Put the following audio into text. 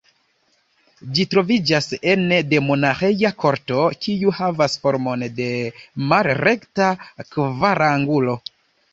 Ĝi troviĝas ene de monaĥeja korto, kiu havas formon de malrekta kvarangulo.